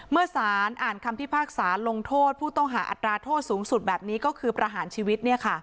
เมื่อสารอ่านคำพิพากษาลงโทษผู้ต้องหาอัตราโทษสูงสุดแบบนี้ก็คือประหารชีวิต